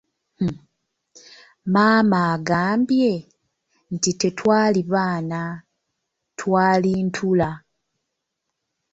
Maama agambye nti tetwali baana twali ntula.